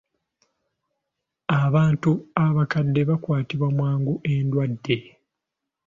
Abantu abakadde bakwatibwa mangu endwadde.